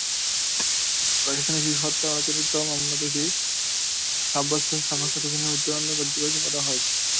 পাকিস্তানে শিশু হত্যার আলোচিত মামলায় দোষী সাব্যস্ত শাফকাত হোসেনের মৃত্যুদণ্ড কার্যকর করা হয়েছে।